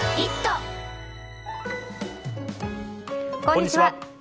こんにちは。